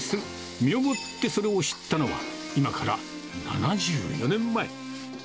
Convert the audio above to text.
身をもってそれを知ったのは、今から７４年前。